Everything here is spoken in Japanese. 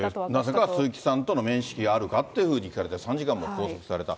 なぜか鈴木さんとの面識があるかっていうふうに聞かれて、３時間も拘束された。